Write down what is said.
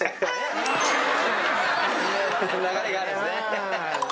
流れがあるんですね。